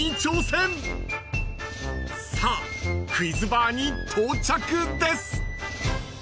［さあクイズバーに到着です］